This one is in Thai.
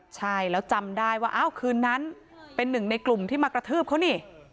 ใช่แล้วจำได้ว่าอ้าวคืนนั้นเป็นหนึ่งในกลุ่มที่มากระทืบเขานี่